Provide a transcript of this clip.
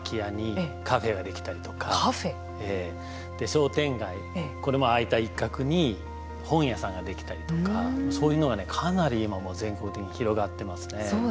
商店街、これも空いた一角に本屋さんが出来たりとかそういうのはね、かなり今もう全国的に広がってますね。